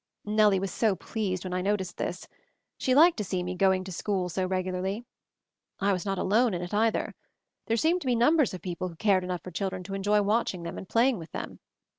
Nellie was so pleased when I noticed this. She liked to see me "going to school" so regularly. I was not alone in it, either. There seemed to be numbers of people who cared enough for children to enjoy watch MOVING THE MOUNTAIN 219 ing them and playing with them.